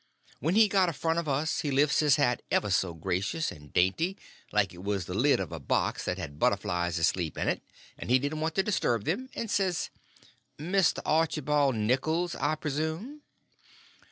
When he got a front of us he lifts his hat ever so gracious and dainty, like it was the lid of a box that had butterflies asleep in it and he didn't want to disturb them, and says: "Mr. Archibald Nichols, I presume?"